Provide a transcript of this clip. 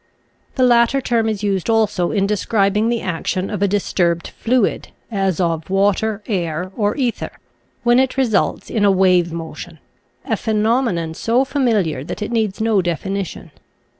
The latter term is used also in describing the action of a disturbed fluid — as of water, air, or ether — when it results in a wave motion, a phenomenon so familiar that it needs no definition.